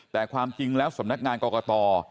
แต่ความจริงแล้วสำนักงานกรกต